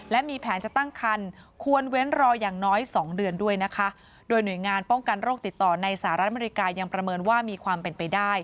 และมีแผนจะตั้งคันควรเว้นรออย่างน้อย๒เดือนด้วยนะคะ